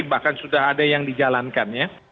bahkan sudah ada yang dijalankan ya